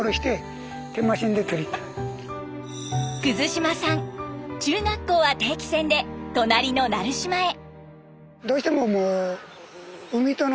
島さん中学校は定期船で隣の奈留島へ。